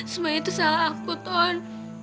semua itu salah aku ton